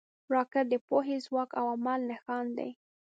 راکټ د پوهې، ځواک او عمل نښان دی